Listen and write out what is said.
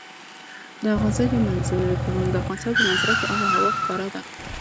د افغانستان په منظره کې آب وهوا ښکاره ده.